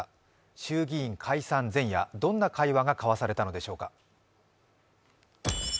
衆議院解散前夜、どんな会話が交わされたのでしょうか。